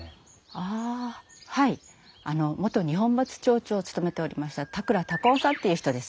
ああはい元二本松町長を務めておりました田倉孝雄さんっていう人です。